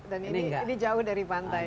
dan ini jauh dari pantai